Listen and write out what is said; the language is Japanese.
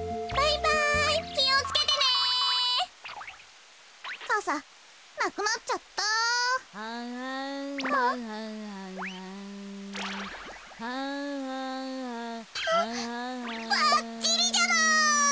ばっちりじゃない！